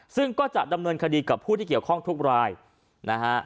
ซึ่งก็จะดำเนินคดีกับผู้ที่เกี่ยวข้องทุกรายนะฮะ